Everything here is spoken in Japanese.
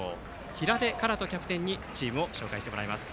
平出奏翔キャプテンにチームを紹介してもらいます。